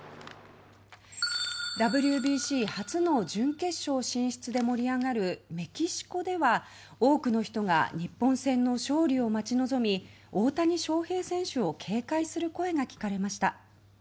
ＷＢＣ初の準決勝進出で盛り上がるメキシコでは多くの人が日本戦の勝利を待ち望み大谷翔平選手を警戒する声が聞かれました。